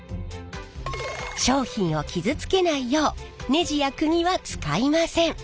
商品を傷つけないようネジやくぎは使いません。